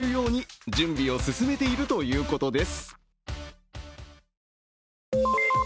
今年中に販売ができるように準備を進めているということです。